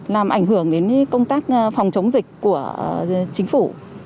làm ảnh hưởng đến công tác phòng chống dịch của chính phủ